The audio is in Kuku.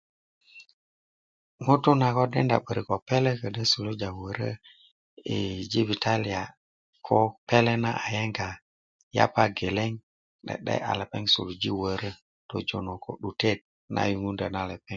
ŋutu na ko denda 'börik ko pele kodo suluja wörö i jibitalia ko pele na a yenga yapa geleŋ 'de'de a lepeŋ suluji wörö tojo ko 'dutet na yuŋundo na lepeŋ